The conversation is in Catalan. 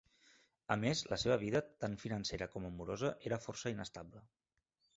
A més, la seva vida, tant financera com amorosa, era força inestable.